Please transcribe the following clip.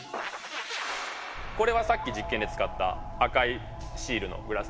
これはさっき実験で使った赤いシールのグラスですね。